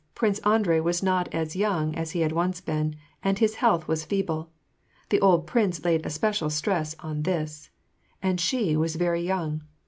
Prince Andrei was not as young as he had once been, and his health was feeble, — the old prince laid especial stress on this — and she was very young.